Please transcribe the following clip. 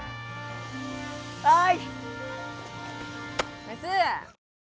はい！